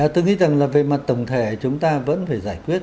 tôi nghĩ rằng là về mặt tổng thể chúng ta vẫn phải giải quyết